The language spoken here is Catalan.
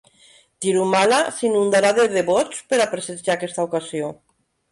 Tirumala s'inundarà de devots per a presenciar aquesta ocasió.